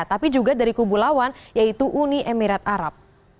tapi juga dari kubu lawan yaitu uni emirat arab